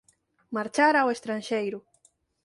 Marchar ao estranxeiro